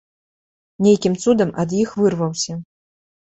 Нейкім цудам ад іх вырваўся.